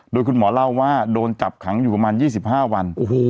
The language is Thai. โดยคุณหมอเล่าว่าโดนจับขังอยู่ประมาณยี่สิบห้าวันโอ้โห